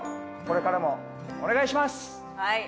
これからもお願いします！